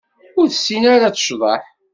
Ur tessin ara ad tecḍeḥ.